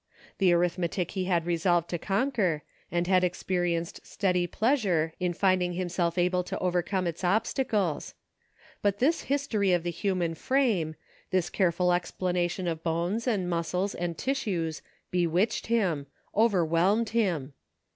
The arithmetic he had resolved to conquer, and had experienced steady pleasure in finding himself EXPERIMENTS. 155 able to overcome its obstacles ; but this history of the human frame, this careful explanation of bones and muscles, and tissues, bewitched him ; overwhelmed him.